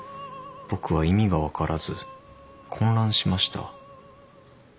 僕は意味が分からず混乱しました。